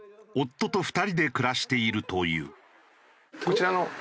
夫と２人で暮らしているという。